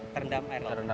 terendam air laut